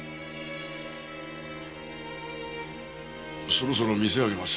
そろそろ店開けます。